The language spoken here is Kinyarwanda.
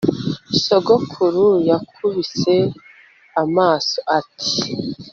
sogokuru yakubise amaso ati